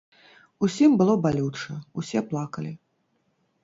Усім было балюча, усе плакалі.